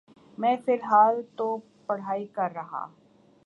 میں فلحال تو پڑہائی کر رہا۔